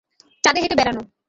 চাঁদে হেটে বেড়ানো!